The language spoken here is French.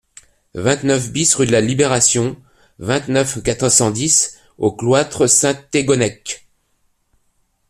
vingt-neuf BIS rue de La Libération, vingt-neuf, quatre cent dix au Cloître-Saint-Thégonnec